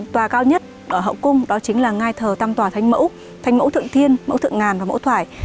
tòa cao nhất ở hậu cung đó chính là ngai thờ tam tòa thanh mẫu thanh mẫu thượng thiên mẫu thượng ngàn và mẫu thoải